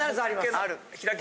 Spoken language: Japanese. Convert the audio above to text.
ある。